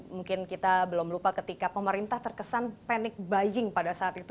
mungkin kita belum lupa ketika pemerintah terkesan panic buying pada saat itu